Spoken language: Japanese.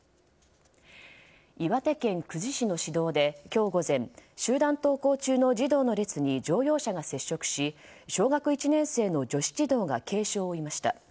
岩手県久慈市の市道で今日午前集団登校中の児童の列に乗用車が接触し小学１年生の女子児童が軽傷を負いました。